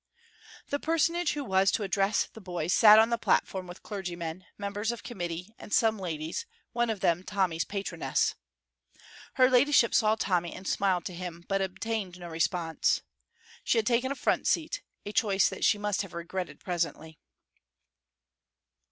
The personage who was to address the boys sat on the platform with clergymen, members of committee, and some ladies, one of them Tommy's patroness. Her ladyship saw Tommy and smiled to him, but obtained no response. She had taken a front seat, a choice that she must have regretted presently.